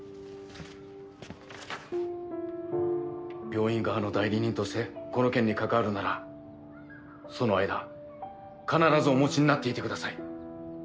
病院側の代理人としてこの件に関わるならその間必ずお持ちになっていてください。